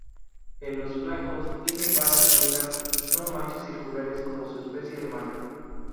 En los flancos tiene baras negras, no manchas circulares como su especie hermana.